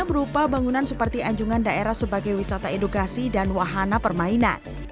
berupa bangunan seperti anjungan daerah sebagai wisata edukasi dan wahana permainan